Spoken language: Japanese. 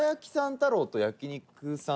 太郎と焼肉さん